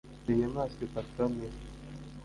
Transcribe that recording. Iyo nyamaswa ifatwa mpiri,